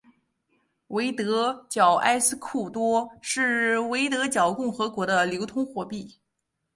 维德角埃斯库多是维德角共和国的流通货币。